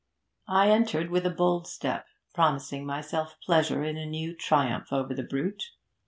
'I entered with a bold step, promising myself pleasure in a new triumph over the brute.